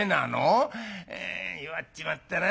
「弱っちまったな。